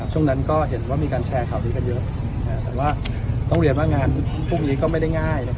ช่วงนั้นก็เห็นว่ามีการแชร์ข่าวดีกันเยอะแต่ว่าต้องเรียนว่างานพรุ่งนี้ก็ไม่ได้ง่าย